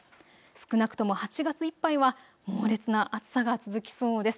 少なくとも８月いっぱいは猛烈な暑さが続きそうです。